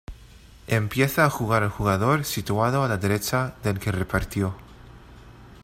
Empieza a jugar el jugador situado a la derecha del que repartió.